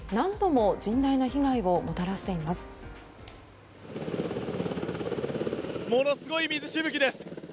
ものすごい水しぶきです。